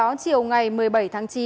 vào chiều ngày một mươi bảy tháng chín